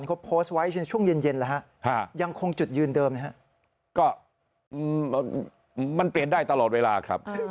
ก็มันเปลี่ยนได้ตลอดเวลาครับ